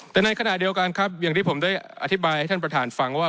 แต่ในขณะเดียวกันครับอย่างที่ผมได้อธิบายให้ท่านประธานฟังว่า